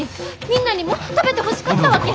みんなにも食べてほしかったわけ。